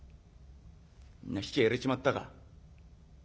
「みんな質屋へ入れちまったか。